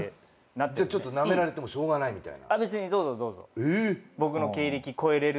じゃあちょっとなめられてもしょうがないみたいな。